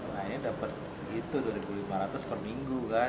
nah ini dapat segitu rp dua lima ratus per minggu kan